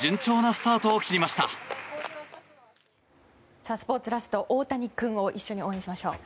スポーツラストオオタニくんも一緒に応援しましょう。